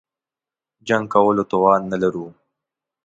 جنګ کولو توان نه لرو.